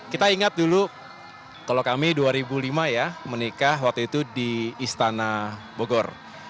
kita ingat dulu kalau kami dua ribu lima ya menikah waktu itu di istana bogor